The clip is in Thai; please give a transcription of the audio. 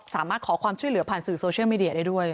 สามารถขอความช่วยเหลือผ่านสื่อโซเชียลมีเดียได้ด้วย